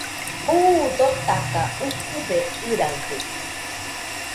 Buu dotaka ukube ɨraɨde